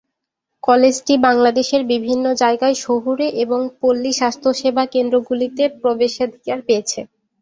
কলেজটি বাংলাদেশের বিভিন্ন জায়গায় শহুরে এবং পল্লী স্বাস্থ্যসেবা কেন্দ্রগুলিতে প্রবেশাধিকার পেয়েছে।